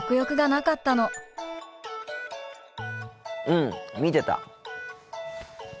うん見てた。